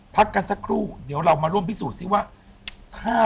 พักกันสักครู่เดี๋ยวเรามาร่วมพิสูจน์ซิว่า